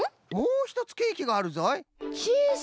もうひとつケーキがあるぞい。